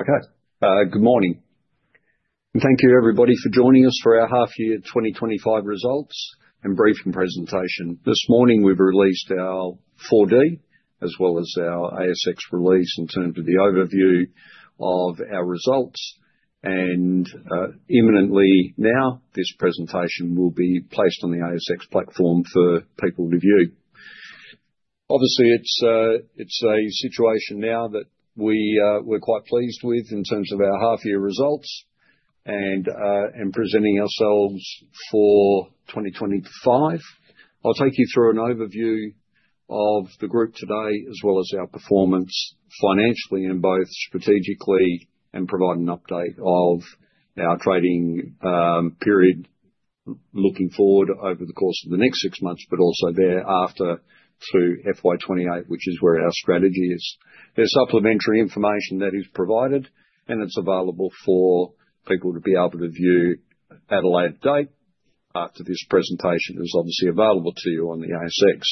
Okay. Good morning. Thank you, everybody, for joining us for our half-year 2025 results and briefing presentation. This morning, we've released our Appendix 4D as well as our ASX release in terms of the overview of our results. Imminently now, this presentation will be placed on the ASX platform for people to view. Obviously, it's a situation now that we're quite pleased with in terms of our half-year results and presenting ourselves for 2025. I'll take you through an overview of the group today as well as our performance financially and both strategically and provide an update of our trading period looking forward over the course of the next six months, but also thereafter through FY2028, which is where our strategy is. There's supplementary information that is provided, and it's available for people to be able to view at a later date after this presentation is obviously available to you on the ASX.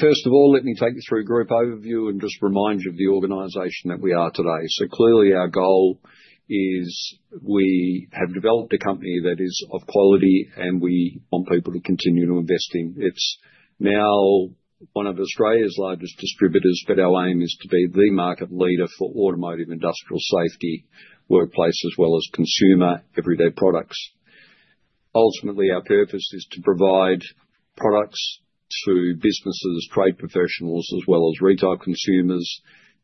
First of all, let me take you through a group overview and just remind you of the organisation that we are today. Clearly, our goal is we have developed a company that is of quality, and we want people to continue to invest in. It's now one of Australia's largest distributors, but our aim is to be the market leader for automotive, industrial, safety, workplace, as well as consumer everyday products. Ultimately, our purpose is to provide products to businesses, trade professionals, as well as retail consumers.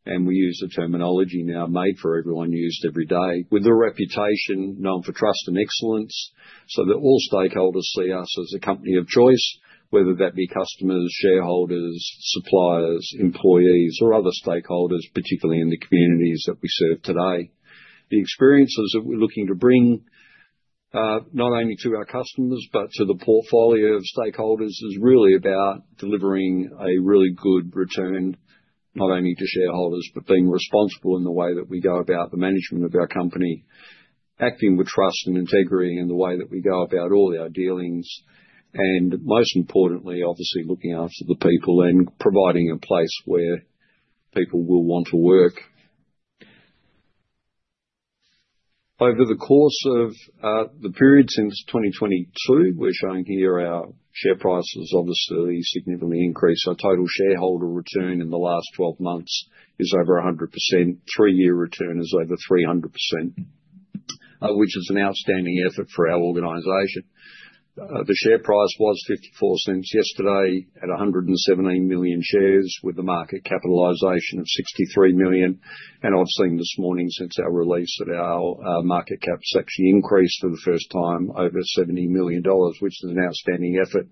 We use a terminology now made for everyone, used every day, with a reputation known for trust and excellence so that all stakeholders see us as a company of choice, whether that be customers, shareholders, suppliers, employees, or other stakeholders, particularly in the communities that we serve today. The experiences that we're looking to bring not only to our customers but to the portfolio of stakeholders is really about delivering a really good return, not only to shareholders, but being responsible in the way that we go about the management of our company, acting with trust and integrity in the way that we go about all our dealings. Most importantly, obviously, looking after the people and providing a place where people will want to work. Over the course of the period since 2022, we're showing here our share prices obviously significantly increased. Our total shareholder return in the last 12 months is over 100%. Three-year return is over 300%, which is an outstanding effort for our organisation. The share price was 0.54 yesterday at 117 million shares with a market capitalisation of 63 million. I have seen this morning since our release that our market cap has actually increased for the first time over 70 million dollars, which is an outstanding effort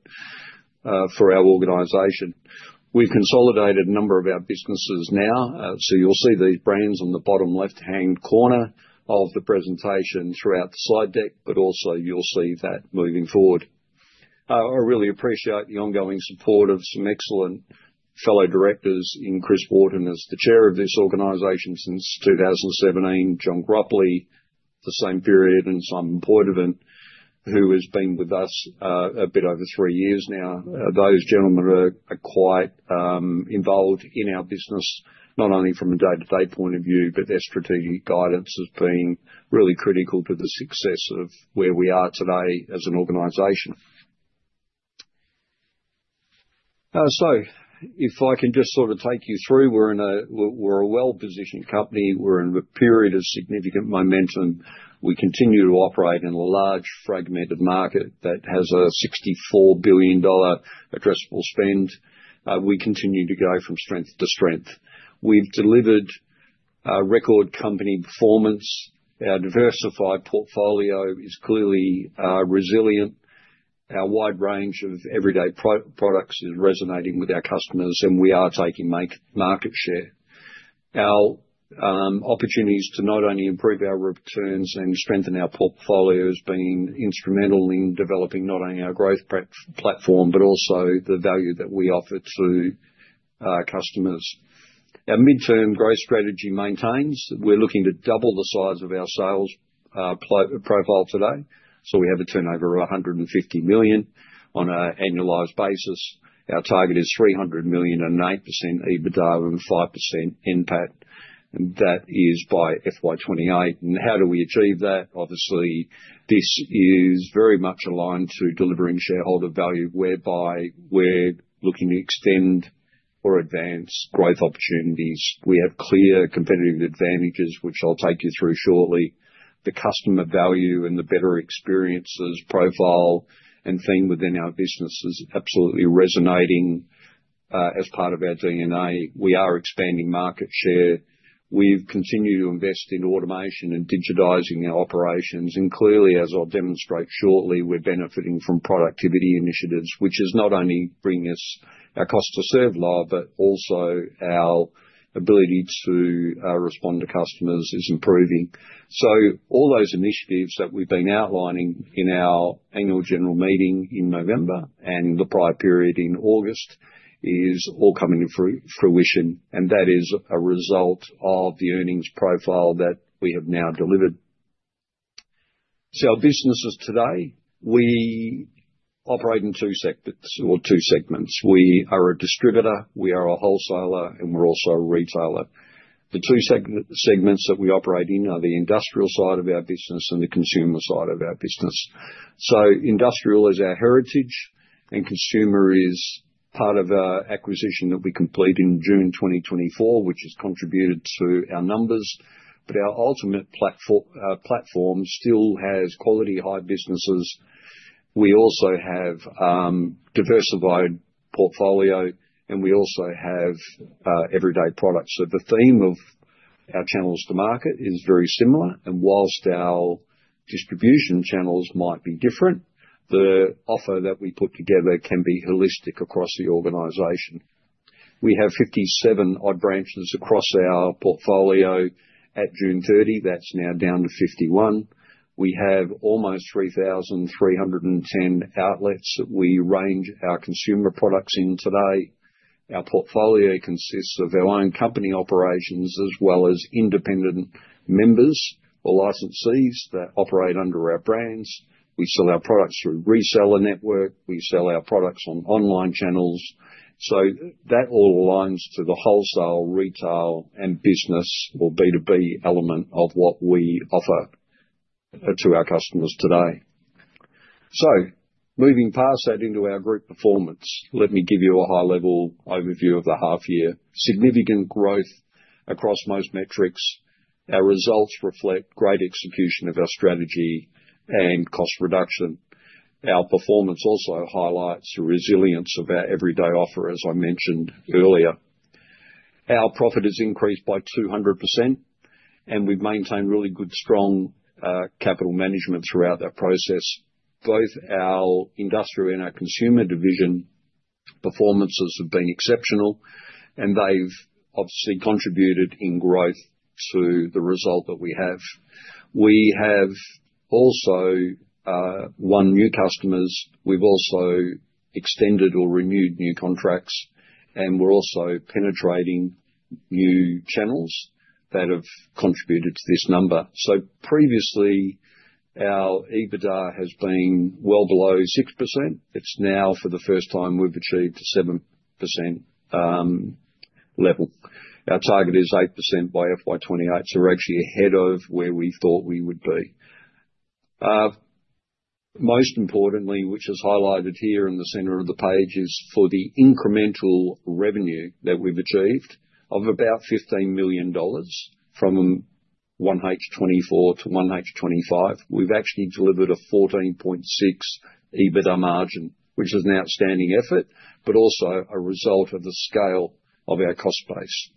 for our organisation. We have consolidated a number of our businesses now. You will see these brands on the bottom left-hand corner of the presentation throughout the slide deck, but also you will see that moving forward. I really appreciate the ongoing support of some excellent fellow directors. Chris Wharton is the Chair of this organisation since 2017, John Groplie, the same period, and Simon Poitevin, who has been with us a bit over three years now. Those gentlemen are quite involved in our business, not only from a day-to-day point of view, but their strategic guidance has been really critical to the success of where we are today as an organization. If I can just sort of take you through, we're a well-positioned company. We're in a period of significant momentum. We continue to operate in a large fragmented market that has an 64 billion dollar addressable spend. We continue to go from strength to strength. We've delivered record company performance. Our diversified portfolio is clearly resilient. Our wide range of everyday products is resonating with our customers, and we are taking market share. Our opportunities to not only improve our returns and strengthen our portfolio have been instrumental in developing not only our growth platform but also the value that we offer to customers. Our midterm growth strategy maintains. We're looking to double the size of our sales profile today. We have a turnover of 150 million on an annualized basis. Our target is 300 million and 8% EBITDA and 5% NPAT. That is by FY2028. How do we achieve that? Obviously, this is very much aligned to delivering shareholder value, whereby we're looking to extend or advance growth opportunities. We have clear competitive advantages, which I'll take you through shortly. The customer value and the better experiences profile and thing within our business is absolutely resonating as part of our DNA. We are expanding market share. We've continued to invest in automation and digitizing our operations. Clearly, as I'll demonstrate shortly, we're benefiting from productivity initiatives, which is not only bringing us our cost-to-serve low, but also our ability to respond to customers is improving. All those initiatives that we've been outlining in our annual general meeting in November and the prior period in August are all coming to fruition. That is a result of the earnings profile that we have now delivered. Our businesses today operate in two segments. We are a distributor, we are a wholesaler, and we're also a retailer. The two segments that we operate in are the industrial side of our business and the consumer side of our business. Industrial is our heritage, and consumer is part of our acquisition that we completed in June 2024, which has contributed to our numbers. Our ultimate platform still has quality high businesses. We also have a diversified portfolio, and we also have everyday products. The theme of our channels to market is very similar. Whilst our distribution channels might be different, the offer that we put together can be holistic across the organisation. We have 57 odd branches across our portfolio. At June 30, that's now down to 51. We have almost 3,310 outlets that we range our consumer products in today. Our portfolio consists of our own company operations as well as independent members or licensees that operate under our brands. We sell our products through reseller network. We sell our products on online channels. That all aligns to the wholesale, retail, and business or B2B element of what we offer to our customers today. Moving past that into our group performance, let me give you a high-level overview of the half-year. Significant growth across most metrics. Our results reflect great execution of our strategy and cost reduction. Our performance also highlights the resilience of our everyday offer, as I mentioned earlier. Our profit has increased by 200%, and we've maintained really good, strong capital management throughout that process. Both our industrial and our consumer division performances have been exceptional, and they've obviously contributed in growth to the result that we have. We have also won new customers. We've also extended or renewed new contracts, and we're also penetrating new channels that have contributed to this number. Previously, our EBITDA has been well below 6%. It is now for the first time we've achieved a 7% level. Our target is 8% by FY2028. We are actually ahead of where we thought we would be. Most importantly, which is highlighted here in the center of the page, is for the incremental revenue that we've achieved of about 15 million dollars from 1H2024 to 1H2025. We've actually delivered a 14.6% EBITDA margin, which is an outstanding effort, but also a result of the scale of our cost base.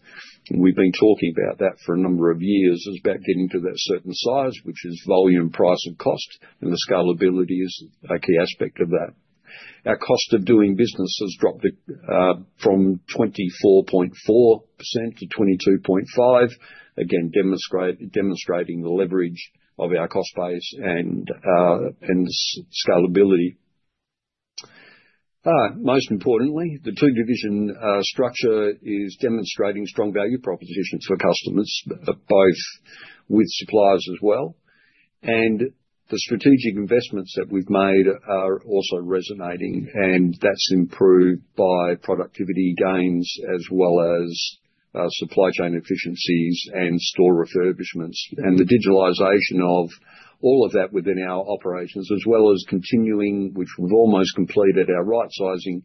We've been talking about that for a number of years about getting to that certain size, which is volume, price, and cost. The scalability is a key aspect of that. Our cost of doing business has dropped from 24.4% to 22.5%, again, demonstrating the leverage of our cost base and scalability. Most importantly, the two-division structure is demonstrating strong value propositions for customers, both with suppliers as well. The strategic investments that we've made are also resonating, and that's improved by productivity gains as well as supply chain efficiencies and store refurbishments. The digitalisation of all of that within our operations, as well as continuing, which we've almost completed, our right-sizing,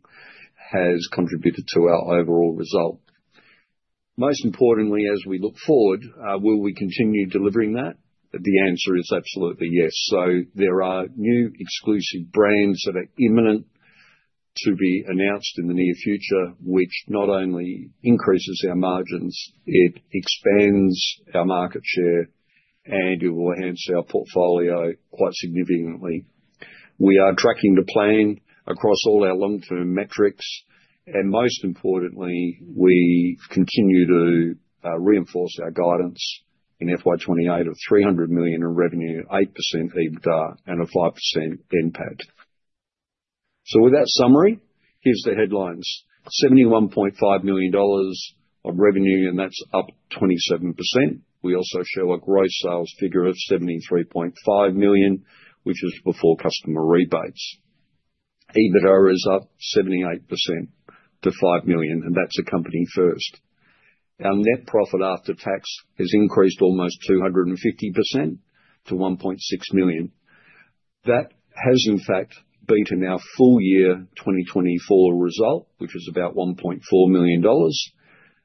has contributed to our overall result. Most importantly, as we look forward, will we continue delivering that? The answer is absolutely yes. There are new exclusive brands that are imminent to be announced in the near future, which not only increases our margins, it expands our market share, and it will enhance our portfolio quite significantly. We are tracking the plan across all our long-term metrics. Most importantly, we continue to reinforce our guidance in FY2028 of 300 million in revenue, 8% EBITDA, and a 5% NPAT. With that summary, here are the headlines: 71.5 million dollars of revenue, and that's up 27%. We also show a gross sales figure of 73.5 million, which is before customer rebates. EBITDA is up 78% to 5 million, and that's a company first. Our net profit after tax has increased almost 250% to 1.6 million. That has, in fact, beaten our full year 2024 result, which is about 1.4 million dollars.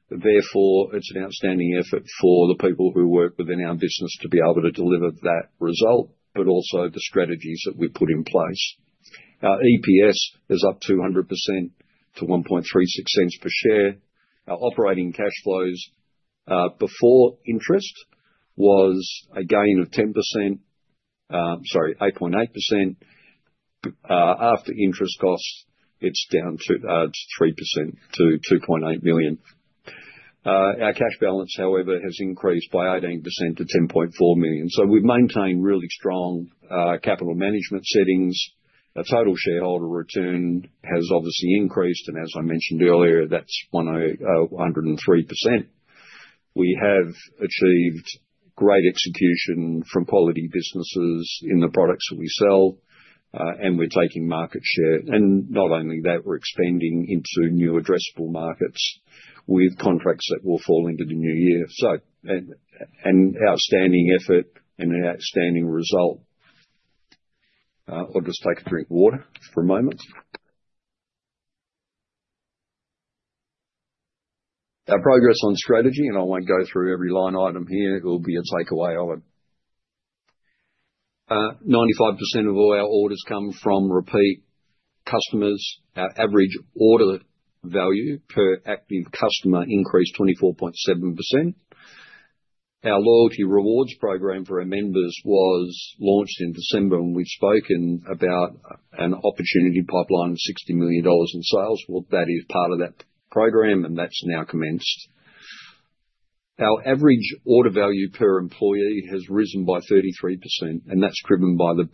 Therefore, it's an outstanding effort for the people who work within our business to be able to deliver that result, but also the strategies that we put in place. Our EPS is up 200% to 0.0136 per share. Our operating cash flows before interest was a gain of 10%, sorry, 8.8%. After interest costs, it's down to 3% to 2.8 million. Our cash balance, however, has increased by 18% to 10.4 million. We have maintained really strong capital management settings. Our total shareholder return has obviously increased. As I mentioned earlier, that's 103%. We have achieved great execution from quality businesses in the products that we sell, and we're taking market share. Not only that, we're expanding into new addressable markets with contracts that will fall into the new year. An outstanding effort and an outstanding result. I'll just take a drink of water for a moment. Our progress on strategy, and I won't go through every line item here. It will be a takeaway of it. 95% of all our orders come from repeat customers. Our average order value per active customer increased 24.7%. Our loyalty rewards program for our members was launched in December, and we've spoken about an opportunity pipeline of 60 million dollars in sales. That is part of that program, and that's now commenced. Our average order value per employee has risen by 33%, and that's driven by the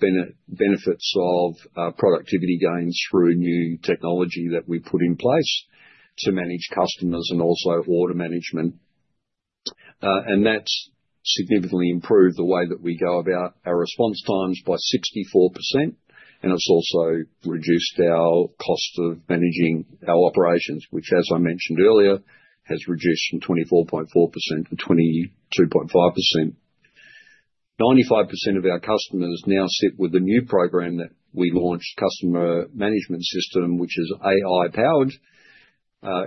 benefits of productivity gains through new technology that we put in place to manage customers and also order management. That's significantly improved the way that we go about our response times by 64%. It has also reduced our cost of managing our operations, which, as I mentioned earlier, has reduced from 24.4% to 22.5%. 95% of our customers now sit with a new program that we launched, customer management system, which is AI-powered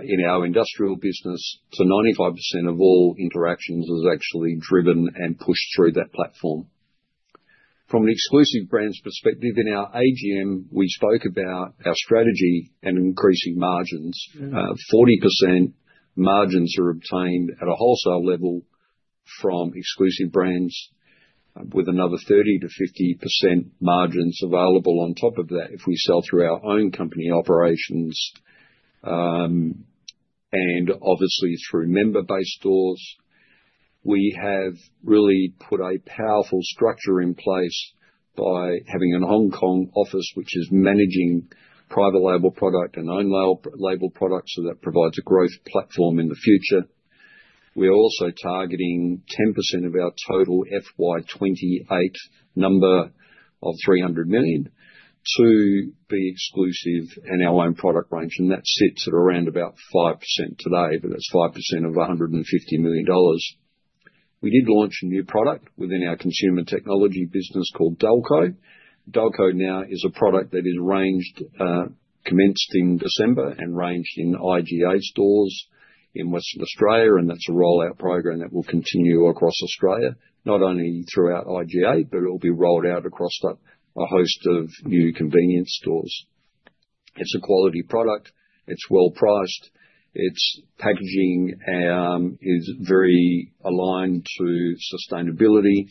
in our industrial business. 95% of all interactions is actually driven and pushed through that platform. From an exclusive brands perspective, in our AGM, we spoke about our strategy and increasing margins. 40% margins are obtained at a wholesale level from exclusive brands, with another 30 to 50% margins available on top of that if we sell through our own company operations and obviously through member-based stores. We have really put a powerful structure in place by having a Hong Kong office, which is managing private label product and own label products, so that provides a growth platform in the future. We're also targeting 10% of our total FY28 number of 300 million to be exclusive in our own product range. That sits at around about 5% today, but that's 5% of 150 million dollars. We did launch a new product within our consumer technology business called Delco. Delco now is a product that commenced in December and ranged in IGA stores in Western Australia. That is a rollout program that will continue across Australia, not only throughout IGA, but it will be rolled out across a host of new convenience stores. It's a quality product. It's well priced. Its packaging is very aligned to sustainability.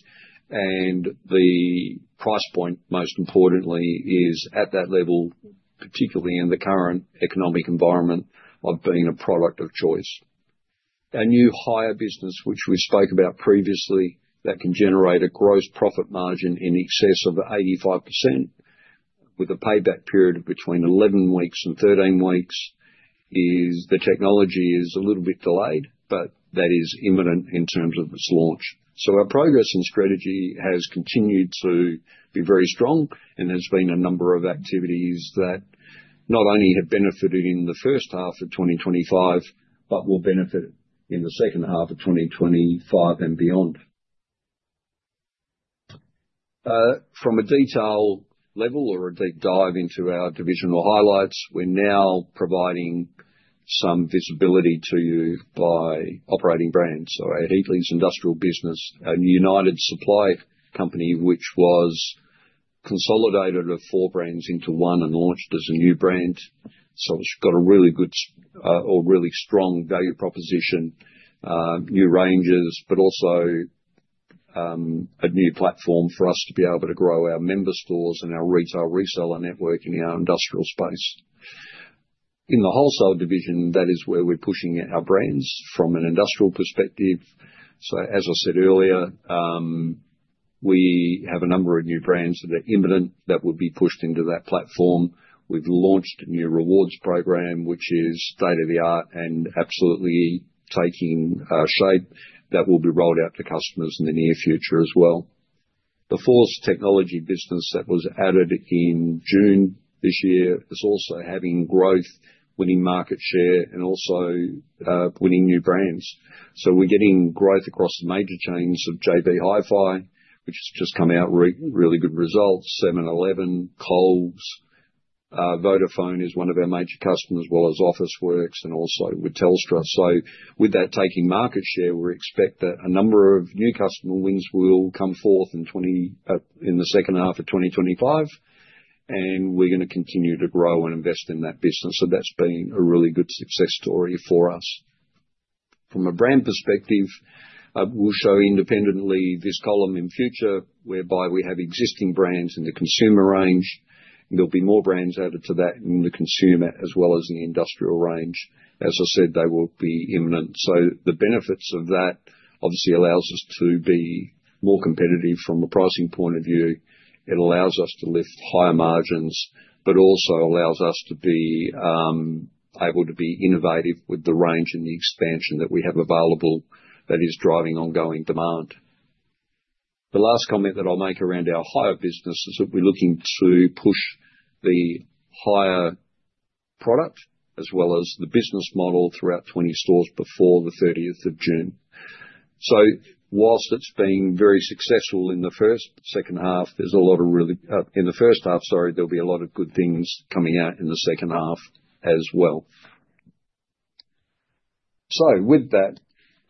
The price point, most importantly, is at that level, particularly in the current economic environment of being a product of choice. Our new hire business, which we spoke about previously, that can generate a gross profit margin in excess of 85% with a payback period of between 11 weeks and 13 weeks, is the technology is a little bit delayed, but that is imminent in terms of its launch. Our progress and strategy has continued to be very strong, and there's been a number of activities that not only have benefited in the first half of 2025, but will benefit in the second half of 2025 and beyond. From a detail level or a deep dive into our divisional highlights, we're now providing some visibility to you by operating brands. Our Heatleys Industrial Business, a United Supplies company, which was consolidated of four brands into one and launched as a new brand. It has got a really good or really strong value proposition, new ranges, but also a new platform for us to be able to grow our member stores and our retail reseller network in our industrial space. In the wholesale division, that is where we are pushing our brands from an industrial perspective. As I said earlier, we have a number of new brands that are imminent that will be pushed into that platform. We have launched a new rewards program, which is state of the art and absolutely taking shape that will be rolled out to customers in the near future as well. The Force Technology business that was added in June this year is also having growth, winning market share, and also winning new brands. We are getting growth across the major chains of JB Hi-Fi, which has just come out with really good results, 7-Eleven, Coles. Vodafone is one of our major customers, as well as Officeworks and also with Telstra. With that taking market share, we expect that a number of new customer wins will come forth in the second half of 2025. We are going to continue to grow and invest in that business. That has been a really good success story for us. From a brand perspective, we will show independently this column in future, whereby we have existing brands in the consumer range. There will be more brands added to that in the consumer as well as the industrial range. As I said, they will be imminent. The benefits of that obviously allow us to be more competitive from a pricing point of view. It allows us to lift higher margins, but also allows us to be able to be innovative with the range and the expansion that we have available that is driving ongoing demand. The last comment that I'll make around our hire business is that we're looking to push the hire product as well as the business model throughout 20 stores before the 30th of June. Whilst it's been very successful in the first second half, there's a lot of really in the first half, sorry, there'll be a lot of good things coming out in the second half as well. With that,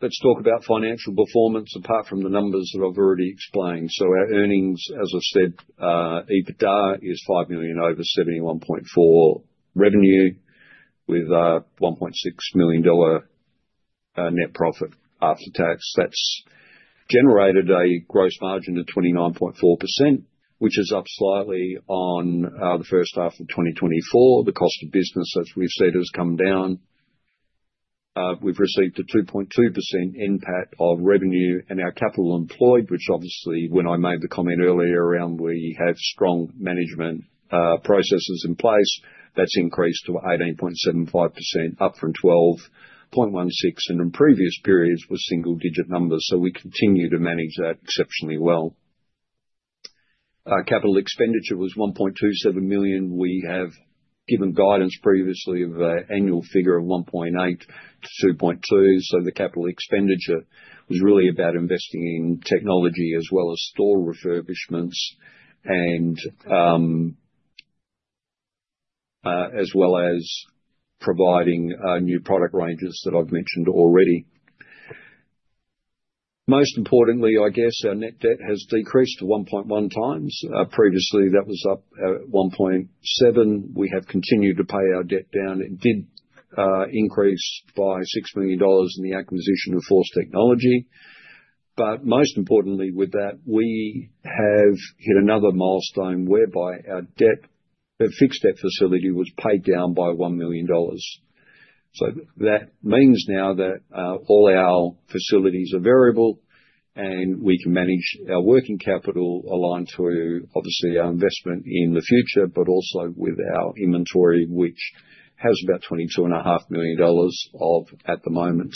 let's talk about financial performance apart from the numbers that I've already explained. Our earnings, as I've said, EBITDA is 5 million over 71.4 million revenue with a 1.6 million dollar net profit after tax. That's generated a gross margin of 29.4%, which is up slightly on the first half of 2024. The cost of business, as we've said, has come down. We've received a 2.2% impact of revenue and our capital employed, which obviously when I made the comment earlier around we have strong management processes in place, that's increased to 18.75%, up from 12.16% in previous periods with single-digit numbers. We continue to manage that exceptionally well. Capital expenditure was 1.27 million. We have given guidance previously of an annual figure of 1.8-2.2 million. The capital expenditure was really about investing in technology as well as store refurbishments and as well as providing new product ranges that I've mentioned already. Most importantly, I guess our net debt has decreased to 1.1 times. Previously, that was up at 1.7. We have continued to pay our debt down. It did increase by 6 million dollars in the acquisition of Force Technology. Most importantly, with that, we have hit another milestone whereby our fixed debt facility was paid down by 1 million dollars. That means now that all our facilities are variable and we can manage our working capital aligned to, obviously, our investment in the future, but also with our inventory, which has about 22.5 million dollars at the moment.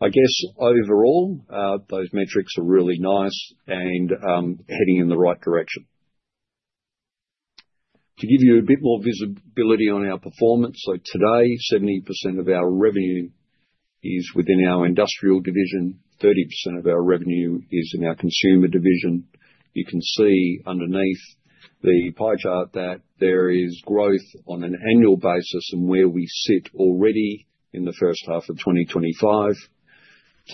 I guess overall, those metrics are really nice and heading in the right direction. To give you a bit more visibility on our performance, today, 70% of our revenue is within our industrial division. 30% of our revenue is in our consumer division. You can see underneath the pie chart that there is growth on an annual basis and where we sit already in the first half of 2025.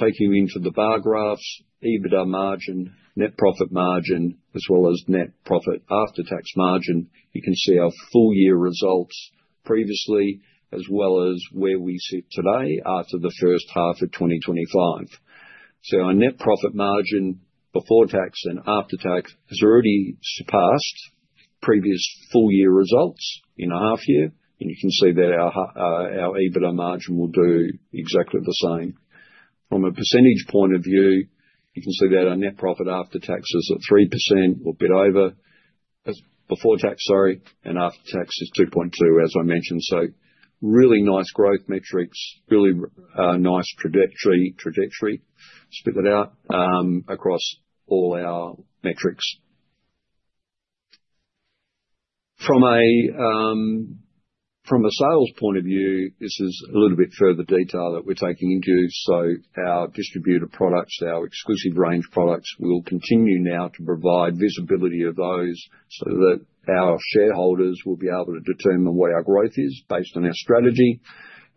Taking you into the bar graphs, EBITDA margin, net profit margin, as well as net profit after tax margin, you can see our full year results previously, as well as where we sit today after the first half of 2025. Our net profit margin before tax and after tax has already surpassed previous full year results in a half year. You can see that our EBITDA margin will do exactly the same. From a percentage point of view, you can see that our net profit after tax is at 3% or a bit over before tax, sorry, and after tax is 2.2, as I mentioned. Really nice growth metrics, really nice trajectory, spit it out, across all our metrics. From a sales point of view, this is a little bit further detail that we're taking into. Our distributor products, our exclusive range products, we'll continue now to provide visibility of those so that our shareholders will be able to determine what our growth is based on our strategy.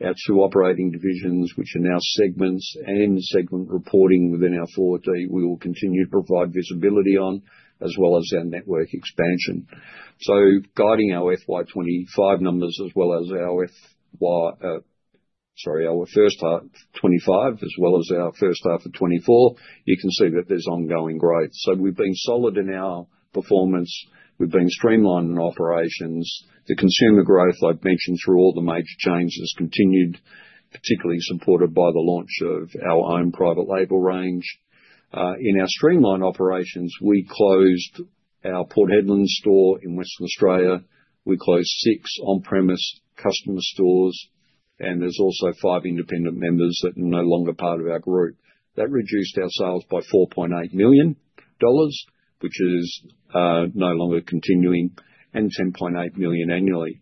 Our two operating divisions, which are now segments and segment reporting within our Appendix 4D, we will continue to provide visibility on, as well as our network expansion. Guiding our FY2025 numbers, as well as our first half of 2025, as well as our first half of 2024, you can see that there is ongoing growth. We have been solid in our performance. We have been streamlined in operations. The consumer growth, I have mentioned through all the major changes, continued, particularly supported by the launch of our own private label range. In our streamlined operations, we closed our Port Hedland store in Western Australia. We closed six on-premise customer stores, and there's also five independent members that are no longer part of our group. That reduced our sales by 4.8 million dollars, which is no longer continuing, and 10.8 million annually.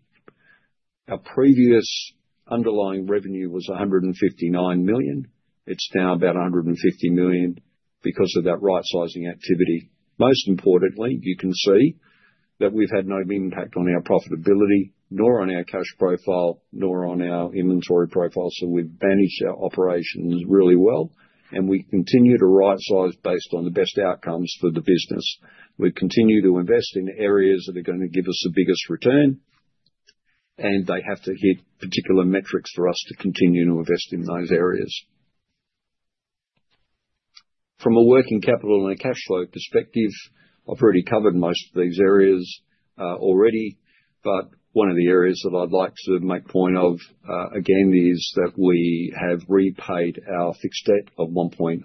Our previous underlying revenue was 159 million. It's now about 150 million because of that right-sizing activity. Most importantly, you can see that we've had no impact on our profitability, nor on our cash profile, nor on our inventory profile. We have managed our operations really well, and we continue to right-size based on the best outcomes for the business. We continue to invest in areas that are going to give us the biggest return, and they have to hit particular metrics for us to continue to invest in those areas. From a working capital and a cash flow perspective, I've already covered most of these areas already, but one of the areas that I'd like to make point of, again, is that we have repaid our fixed debt of 1.02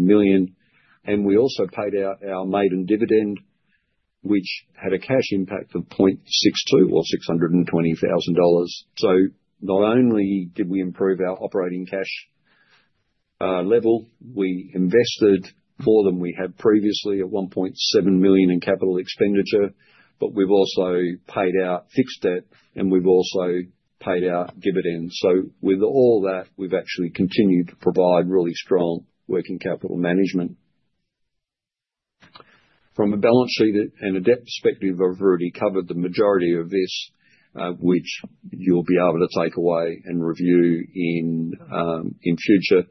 million, and we also paid out our maiden dividend, which had a cash impact of 0.62 million or 620,000 dollars. Not only did we improve our operating cash level, we invested for them. We had previously 1.7 million in capital expenditure, but we've also paid out fixed debt, and we've also paid out dividends. With all that, we've actually continued to provide really strong working capital management. From a balance sheet and a debt perspective, I've already covered the majority of this, which you'll be able to take away and review in future.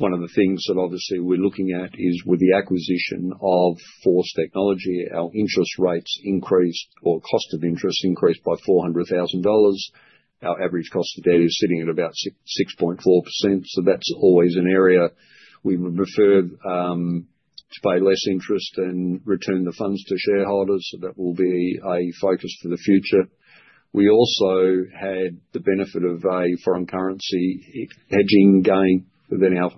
One of the things that obviously we're looking at is with the acquisition of Force Technology, our interest rates increased, or cost of interest increased by 400,000 dollars. Our average cost of debt is sitting at about 6.4%. That is always an area we would prefer to pay less interest and return the funds to shareholders. That will be a focus for the future. We also had the benefit of a foreign currency hedging going within our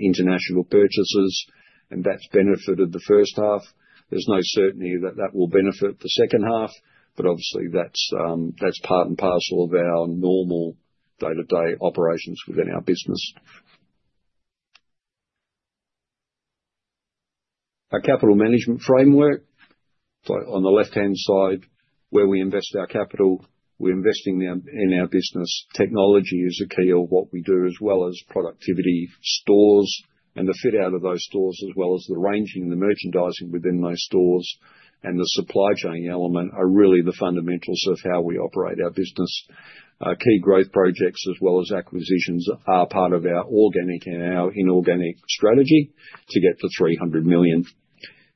international purchases, and that has benefited the first half. There is no certainty that that will benefit the second half, but obviously that is part and parcel of our normal day-to-day operations within our business. Our capital management framework, on the left-hand side, where we invest our capital, we are investing in our business. Technology is a key of what we do, as well as productivity stores. The fit out of those stores, as well as the ranging and the merchandising within those stores and the supply chain element, are really the fundamentals of how we operate our business. Key growth projects, as well as acquisitions, are part of our organic and our inorganic strategy to get to 300 million.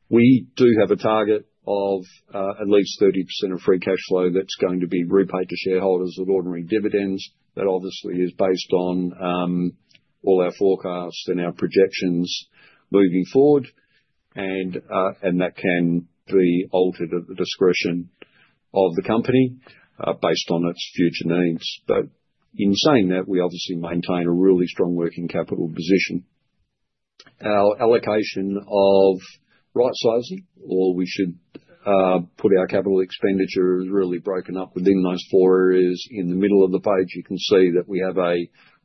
We do have a target of at least 30% of free cash flow that's going to be repaid to shareholders with ordinary dividends. That obviously is based on all our forecasts and our projections moving forward, and that can be altered at the discretion of the company based on its future needs. In saying that, we obviously maintain a really strong working capital position. Our allocation of right-sizing, or we should put our capital expenditure, is really broken up within those four areas. In the middle of the page, you can see that we have a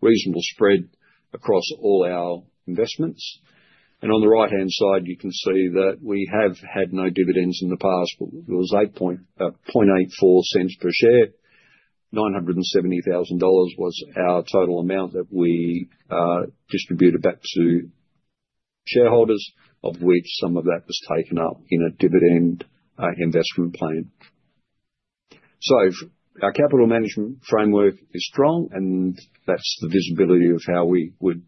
reasonable spread across all our investments. On the right-hand side, you can see that we have had no dividends in the past. It was 0.84 per share. AUD 970,000 was our total amount that we distributed back to shareholders, of which some of that was taken up in a dividend investment plan. Our capital management framework is strong, and that's the visibility of how we would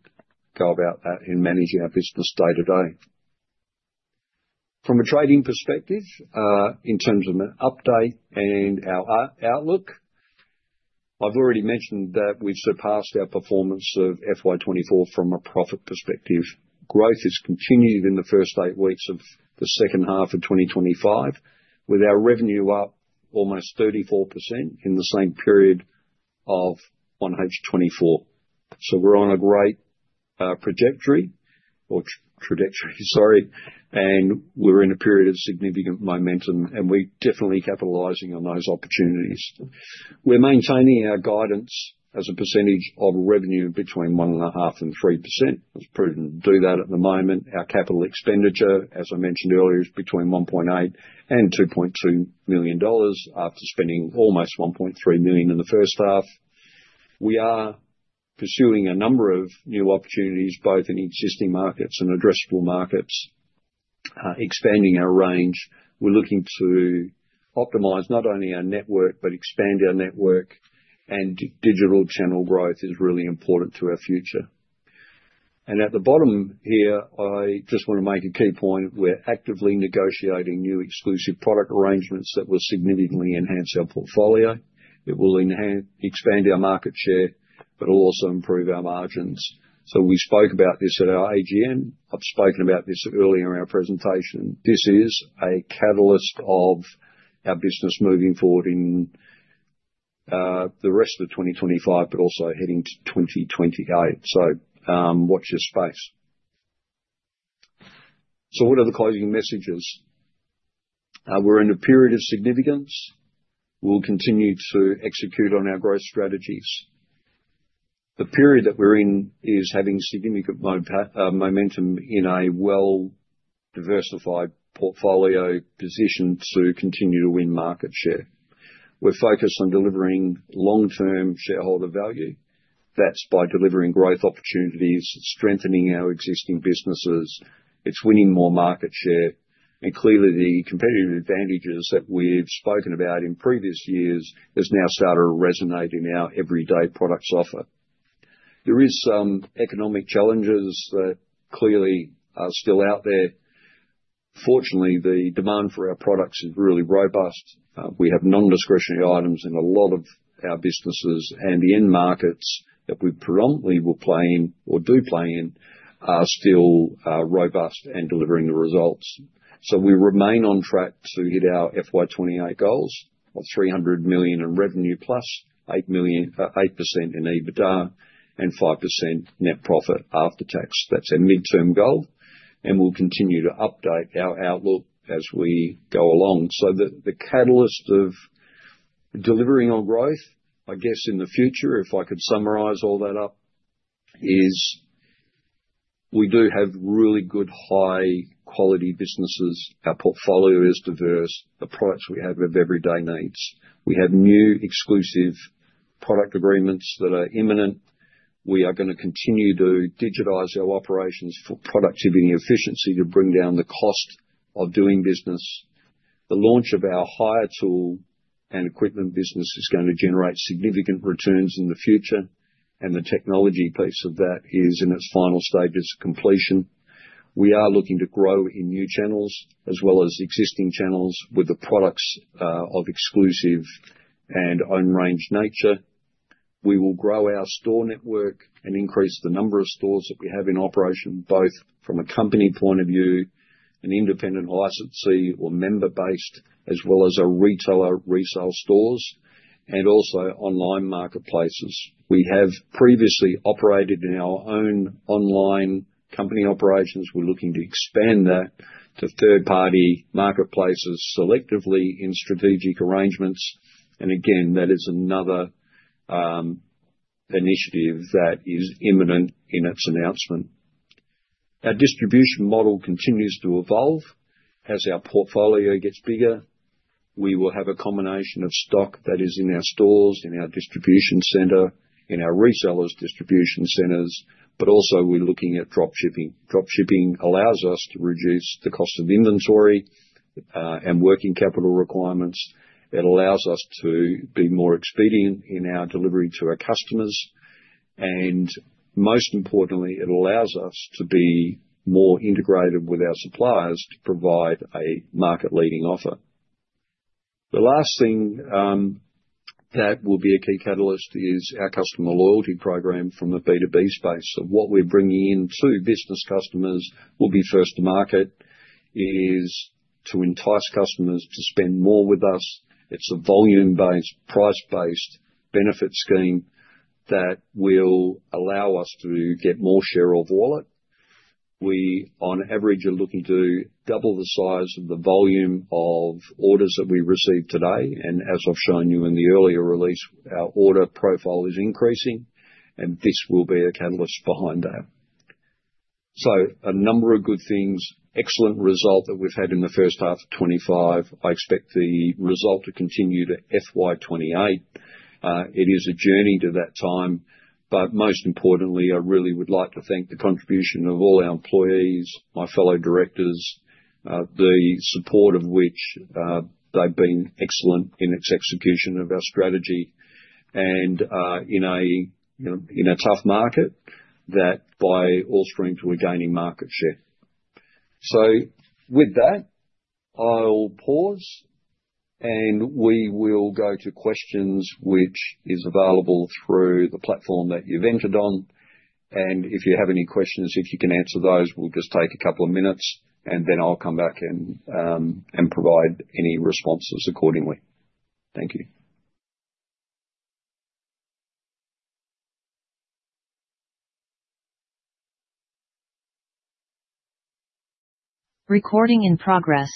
go about that in managing our business day-to-day. From a trading perspective, in terms of an update and our outlook, I've already mentioned that we've surpassed our performance of FY2024 from a profit perspective. Growth has continued in the first eight weeks of the second half of 2025, with our revenue up almost 34% in the same period of 1H2024. We're on a great trajectory, or trajectory, sorry, and we're in a period of significant momentum, and we're definitely capitalizing on those opportunities. We're maintaining our guidance as a percentage of revenue between 1.5% to 3%. It's prudent to do that at the moment. Our capital expenditure, as I mentioned earlier, is between 1.8 million-2.2 million dollars after spending almost 1.3 million in the first half. We are pursuing a number of new opportunities, both in existing markets and addressable markets, expanding our range. We're looking to optimize not only our network, but expand our network, and digital channel growth is really important to our future. At the bottom here, I just want to make a key point. We're actively negotiating new exclusive product arrangements that will significantly enhance our portfolio. It will expand our market share, but it'll also improve our margins. We spoke about this at our AGM. I've spoken about this earlier in our presentation. This is a catalyst of our business moving forward in the rest of 2025, but also heading to 2028. Watch your space. What are the closing messages? We're in a period of significance. We'll continue to execute on our growth strategies. The period that we're in is having significant momentum in a well-diversified portfolio positioned to continue to win market share. We're focused on delivering long-term shareholder value. That's by delivering growth opportunities, strengthening our existing businesses. It's winning more market share. Clearly, the competitive advantages that we've spoken about in previous years have now started to resonate in our everyday products offer. There are some economic challenges that clearly are still out there. Fortunately, the demand for our products is really robust. We have non-discretionary items in a lot of our businesses, and the end markets that we predominantly will play in or do play in are still robust and delivering the results. We remain on track to hit our FY2028 goals of 300 million in revenue, plus 8% in EBITDA and 5% net profit after tax. That is our midterm goal. We will continue to update our outlook as we go along. The catalyst of delivering on growth, I guess in the future, if I could summarize all that up, is we do have really good, high-quality businesses. Our portfolio is diverse. The products we have have everyday needs. We have new exclusive product agreements that are imminent. We are going to continue to digitize our operations for productivity and efficiency to bring down the cost of doing business. The launch of our hire tool and equipment business is going to generate significant returns in the future. The technology piece of that is in its final stages of completion. We are looking to grow in new channels, as well as existing channels, with the products of exclusive and own-range nature. We will grow our store network and increase the number of stores that we have in operation, both from a company point of view, an independent licensee or member-based, as well as our retailer resale stores, and also online marketplaces. We have previously operated in our own online company operations. We are looking to expand that to third-party marketplaces selectively in strategic arrangements. That is another initiative that is imminent in its announcement. Our distribution model continues to evolve as our portfolio gets bigger. We will have a combination of stock that is in our stores, in our distribution center, in our resellers' distribution centers, but also we're looking at dropshipping. Dropshipping allows us to reduce the cost of inventory and working capital requirements. It allows us to be more expedient in our delivery to our customers. Most importantly, it allows us to be more integrated with our suppliers to provide a market-leading offer. The last thing that will be a key catalyst is our customer loyalty program from a B2B space. What we're bringing in to business customers will be first-to-market, is to entice customers to spend more with us. It's a volume-based, price-based benefit scheme that will allow us to get more share of wallet. We, on average, are looking to double the size of the volume of orders that we receive today. As I've shown you in the earlier release, our order profile is increasing, and this will be a catalyst behind that. A number of good things, excellent result that we've had in the first half of 2025. I expect the result to continue to FY2028. It is a journey to that time. Most importantly, I really would like to thank the contribution of all our employees, my fellow directors, the support of which they've been excellent in its execution of our strategy. In a tough market that by all strength, we're gaining market share. With that, I'll pause, and we will go to questions, which is available through the platform that you've entered on. If you have any questions, if you can answer those, we'll just take a couple of minutes, and then I'll come back and provide any responses accordingly. Thank you. Recording in progress.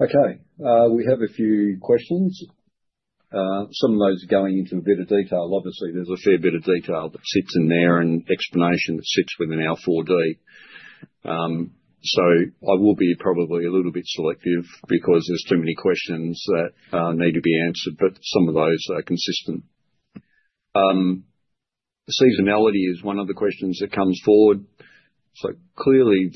Okay. We have a few questions. Some of those are going into a bit of detail. Obviously, there's a fair bit of detail that sits in there and explanation that sits within our Appendix 4D. I will be probably a little bit selective because there's too many questions that need to be answered, but some of those are consistent. Seasonality is one of the questions that comes forward. Clearly,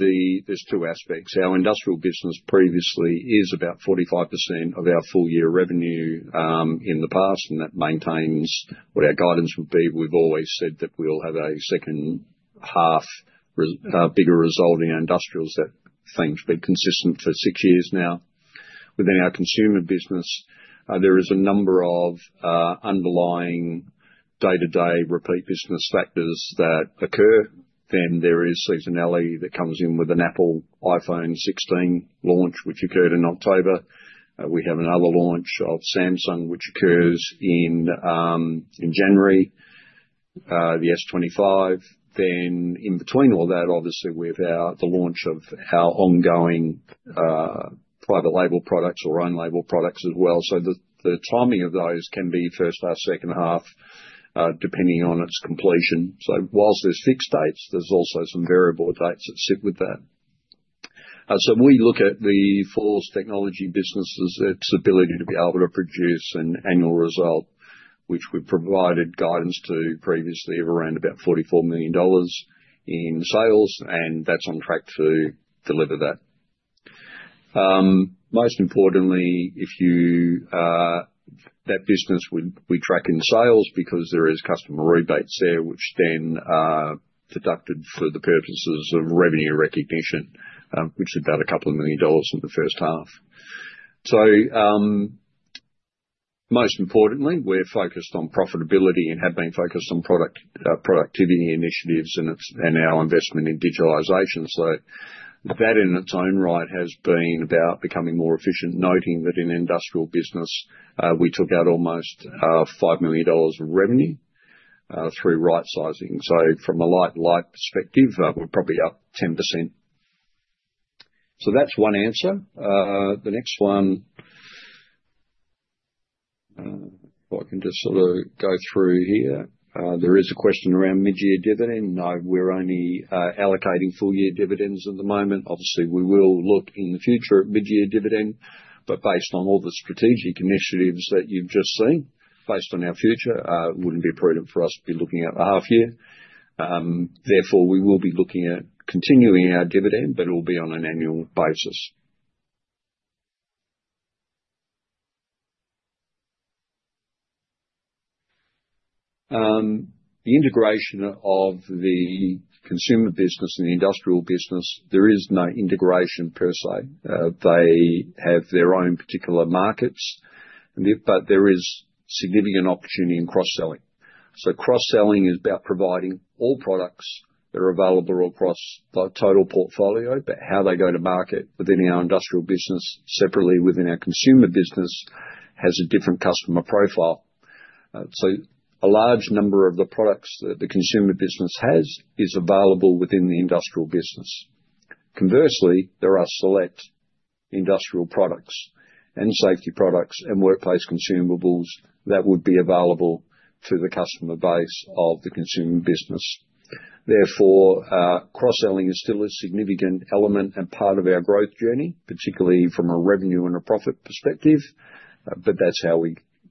there's two aspects. Our industrial business previously is about 45% of our full-year revenue in the past, and that maintains what our guidance would be. We've always said that we'll have a second half, a bigger result in our industrials that things have been consistent for six years now. Within our consumer business, there is a number of underlying day-to-day repeat business factors that occur. There is seasonality that comes in with an Apple iPhone 16 launch, which occurred in October. We have another launch of Samsung, which occurs in January, the S25. In between all that, obviously, we have the launch of our ongoing private label products or own-label products as well. The timing of those can be first half, second half, depending on its completion. Whilst there are fixed dates, there are also some variable dates that sit with that. We look at the four technology businesses, its ability to be able to produce an annual result, which we've provided guidance to previously of around about 44 million dollars in sales, and that's on track to deliver that. Most importantly, that business we track in sales because there are customer rebates there, which then are deducted for the purposes of revenue recognition, which is about 2 million dollars in the first half. Most importantly, we're focused on profitability and have been focused on productivity initiatives and our investment in digitalization. That in its own right has been about becoming more efficient, noting that in industrial business, we took out almost 5 million dollars of revenue through right-sizing. From a light-to-light perspective, we're probably up 10%. That's one answer. The next one, if I can just sort of go through here, there is a question around mid-year dividend. No, we're only allocating full-year dividends at the moment. Obviously, we will look in the future at mid-year dividend, but based on all the strategic initiatives that you've just seen, based on our future, it wouldn't be prudent for us to be looking at the half-year. Therefore, we will be looking at continuing our dividend, but it will be on an annual basis. The integration of the consumer business and the industrial business, there is no integration per se. They have their own particular markets, but there is significant opportunity in cross-selling. Cross-selling is about providing all products that are available across the total portfolio, but how they go to market within our industrial business, separately within our consumer business, has a different customer profile. A large number of the products that the consumer business has is available within the industrial business. Conversely, there are select industrial products and safety products and workplace consumables that would be available to the customer base of the consumer business. Therefore, cross-selling is still a significant element and part of our growth journey, particularly from a revenue and a profit perspective. That is how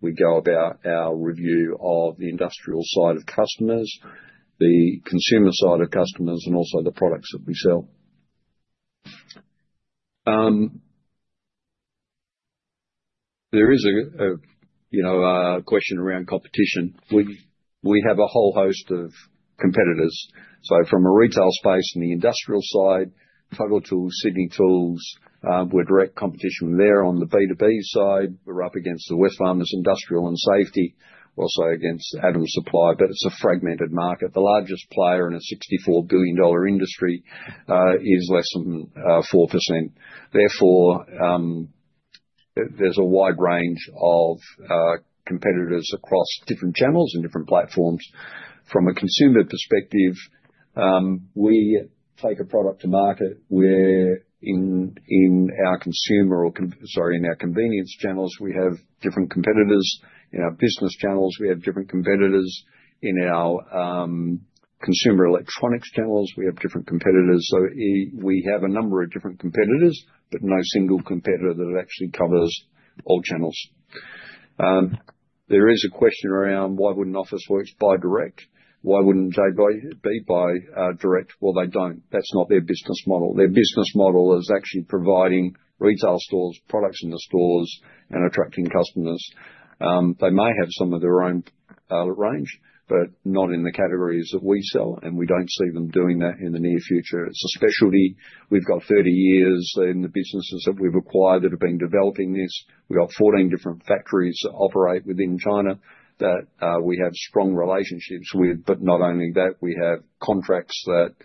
we go about our review of the industrial side of customers, the consumer side of customers, and also the products that we sell. There is a question around competition. We have a whole host of competitors. From a retail space and the industrial side, Total Tools, Sydney Tools, we are direct competition there. On the B2B side, we are up against Wesfarmers Industrial and Safety, also against AWM Supply, but it is a fragmented market. The largest player in a 64 billion dollar industry is less than 4%. Therefore, there is a wide range of competitors across different channels and different platforms. From a consumer perspective, we take a product to market. In our consumer or, sorry, in our convenience channels, we have different competitors. In our business channels, we have different competitors. In our consumer electronics channels, we have different competitors. We have a number of different competitors, but no single competitor that actually covers all channels. There is a question around why wouldn't Officeworks buy direct? Why wouldn't they buy direct? Actually, they don't. That's not their business model. Their business model is actually providing retail stores, products in the stores, and attracting customers. They may have some of their own range, but not in the categories that we sell, and we don't see them doing that in the near future. It's a specialty. We've got 30 years in the businesses that we've acquired that have been developing this. We've got 14 different factories that operate within China that we have strong relationships with. Not only that, we have contracts that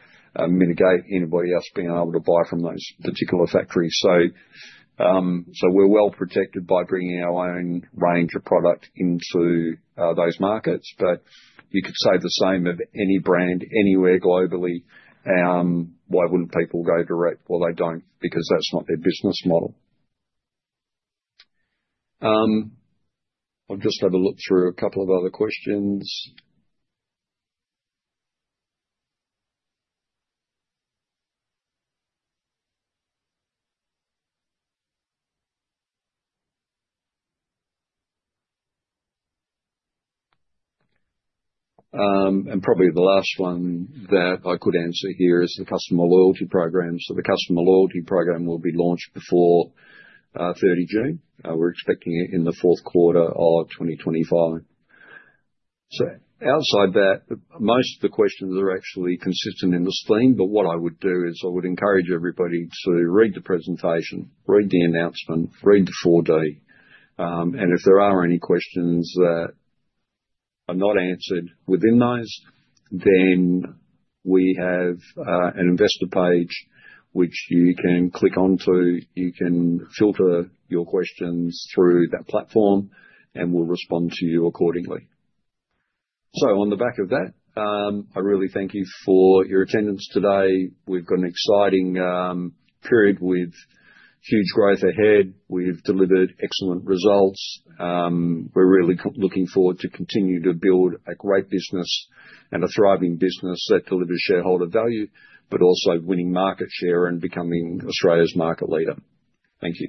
mitigate anybody else being able to buy from those particular factories. We are well protected by bringing our own range of product into those markets. You could say the same of any brand anywhere globally. Why wouldn't people go direct? They don't because that's not their business model. I'll just have a look through a couple of other questions. Probably the last one that I could answer here is the customer loyalty program. The customer loyalty program will be launched before 30 June. We're expecting it in the fourth quarter of 2025. Outside that, most of the questions are actually consistent in this theme. What I would do is I would encourage everybody to read the presentation, read the announcement, read the 4D. If there are any questions that are not answered within those, we have an investor page which you can click onto. You can filter your questions through that platform, and we'll respond to you accordingly. On the back of that, I really thank you for your attendance today. We've got an exciting period with huge growth ahead. We've delivered excellent results. We're really looking forward to continue to build a great business and a thriving business that delivers shareholder value, but also winning market share and becoming Australia's market leader. Thank you.